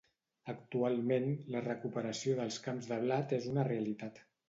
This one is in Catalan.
Actualment, la recuperació dels camps de blat és una realitat.